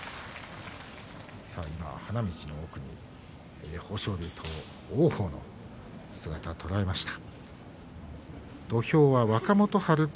花道の奥に豊昇龍と王鵬の姿が見えてきました。